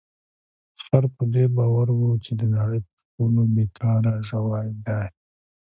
خر په دې باور و چې د نړۍ تر ټولو بې کاره ژوی دی.